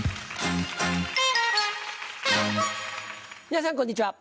皆さんこんにちは。